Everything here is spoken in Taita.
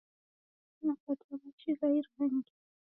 Napata machi gha irangi.